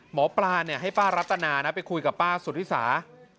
หมอปลาให้ป้ารัตนานะไปคุยกับป้าสุธิสา